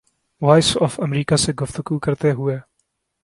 voice of America سے گفتگو کرتے ہوئے